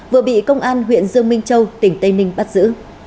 vừa bị công an huyện dương minh châu tỉnh tây ninh bắt giữ